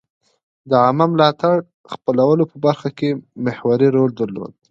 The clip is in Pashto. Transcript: د عامه ملاتړ خپلولو په برخه کې محوري رول درلود.